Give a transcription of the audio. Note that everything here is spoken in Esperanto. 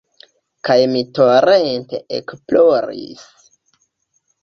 Kaj mi torente ekploris.